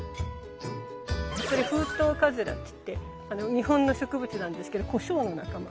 これフウトウカズラっていって日本の植物なんですけどコショウの仲間。